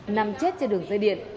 nằm chết trên đường dây điện